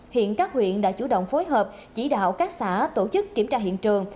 hiện các huyện đã chủ động phối hợp chỉ đạo các xã tổ chức kiểm tra hiện trường